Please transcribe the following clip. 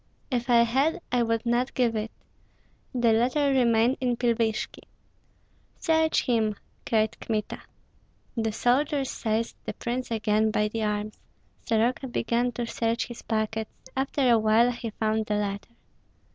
"If I had, I would not give it. The letter remained in Pilvishki." "Search him!" cried Kmita. The soldiers seized the prince again by the arms. Soroka began to search his pockets. After a while he found the letter.